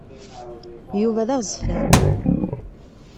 Yuba d aɣezfan.